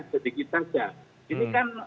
sedikit saja ini kan